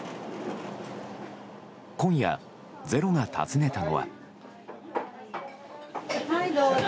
今夜「ｚｅｒｏ」が訪ねたのは。